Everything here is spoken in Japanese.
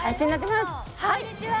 こんにちは！